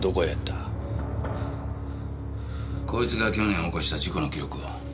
こいつが去年起こした事故の記録を。